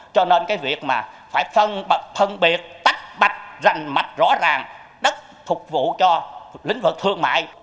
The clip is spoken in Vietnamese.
cho nên cái việc mà phải phân bật phân biệt tách bạch rành mạch rõ ràng đất phục vụ cho lĩnh vực thương mại